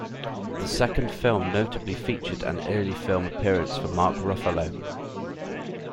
The second film notably featured an early film appearance for Mark Ruffalo.